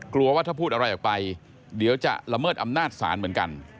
กลัวว่าถ้าพูดอะไรออกไปเดี๋ยวจะละเมิดอำนาจศาลเหมือนกัน